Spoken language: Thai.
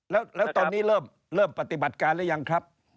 แล้วแล้วตอนนี้เริ่มเริ่มปฏิบัติการรึยังครับ